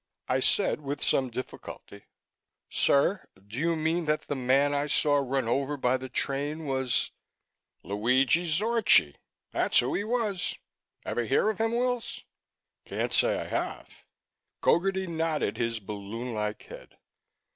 I said with some difficulty, "Sir, do you mean that the man I saw run over by the train was " "Luigi Zorchi. That's who he was. Ever hear of him, Wills?" "Can't say I have." Gogarty nodded his balloon like head.